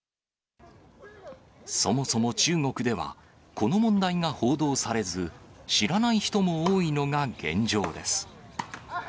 そもそも中国では、この問題が報道されず、知らない人も多いのが現状です。